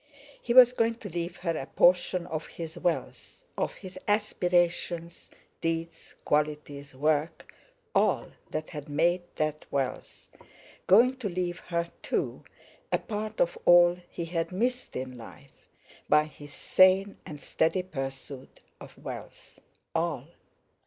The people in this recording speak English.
He was going to leave her a portion of his wealth, of his aspirations, deeds, qualities, work—all that had made that wealth; going to leave her, too, a part of all he had missed in life, by his sane and steady pursuit of wealth. All!